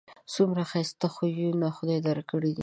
څومره ښایسته خویونه خدای در کړي دي